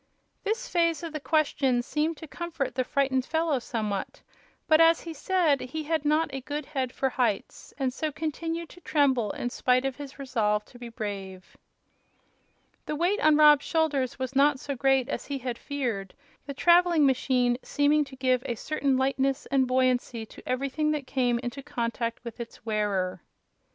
This phase of the question seemed to comfort the frightened fellow somewhat; but, as he said, he had not a good head for heights, and so continued to tremble in spite of his resolve to be brave. The weight on Rob's shoulders was not so great as he had feared, the traveling machine seeming to give a certain lightness and buoyancy to everything that came into contact with its wearer.